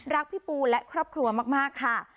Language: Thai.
พี่ปูและครอบครัวมากค่ะ